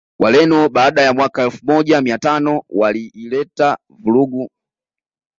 Wareno baada ya mwaka Elfu moja miatano wailileta vurugu